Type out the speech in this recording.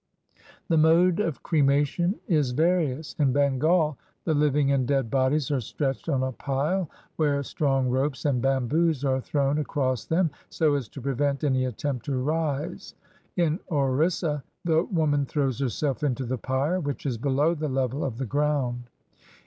The mode of cremation is various: in Bengal, the 177 INDIA living and dead bodies are stretched on a pile where strong ropes and bamboos are thrown across them so as to prevent any attempt to rise. In Orissa, the woman throws herself into the pyre, which is below the level of the ground.